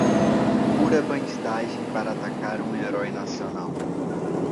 Pura bandidagem para atacar um herói nacional